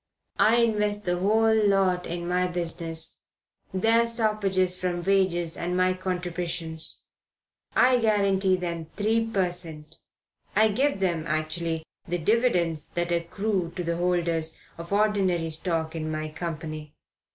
I invest the whole lot in my business their stoppages from wages and my contributions. I guarantee them 3 per cent.; I give them, actually, the dividends that accrue to the holders of ordinary stock in my company.